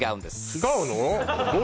違うの？